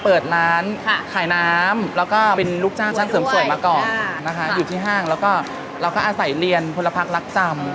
เปิดร้านขายน้ำแล้วก็เป็นลูกจ้างช่างเสริมสวยมาก่อนนะคะอยู่ที่ห้างแล้วก็เราก็อาศัยเรียนพลพักรักจำ